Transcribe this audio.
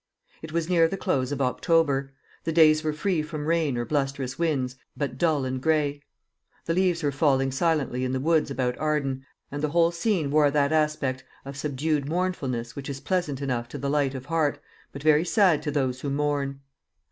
It was near the close of October. The days were free from rain or blusterous winds, but dull and gray. The leaves were falling silently in the woods about Arden, and the whole scene wore that aspect of subdued mournfulness which is pleasant enough to the light of heart, but very sad to those who mourn.